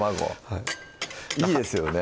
はいいいですよね